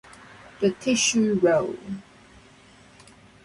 The tissue roll.